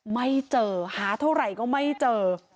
ไม่เจอหาเท่าไหร่ก็ไม่เจอ